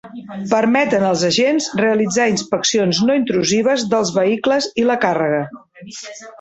Permeten als agents realitzar inspeccions no intrusives dels vehicles i la càrrega.